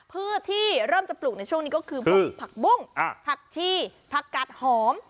พืชที่เริ่มจะปลูกในช่วงนี้ก็คือพวกผักบุ้งผักชีผักกัดหอม